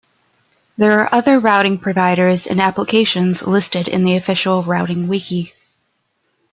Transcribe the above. There are other routing providers and applications listed in the official Routing wiki.